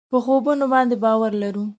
په خوبونو باندې باور لرو.